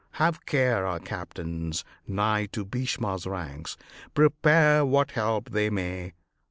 Have care our captains nigh to Bhishma's ranks Prepare what help they may!